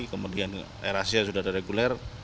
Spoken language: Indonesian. kemudian erasi sudah reguler